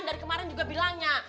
dari kemarin juga bilangnya